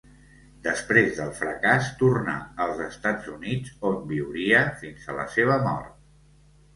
Després del fracàs tornà als Estats Units, on viuria fins a la seva mort.